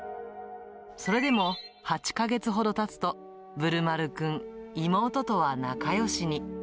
それでも、８か月ほどたつと、ぶるまるくん、妹とは仲よしに。